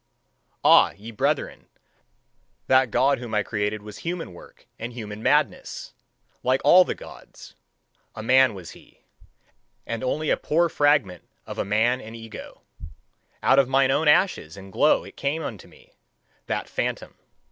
Ah, ye brethren, that God whom I created was human work and human madness, like all the Gods! A man was he, and only a poor fragment of a man and ego. Out of mine own ashes and glow it came unto me, that phantom.